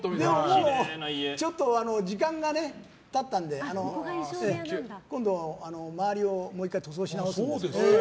ちょっと時間が経ったので今度、周りをもう１回、塗装し直す。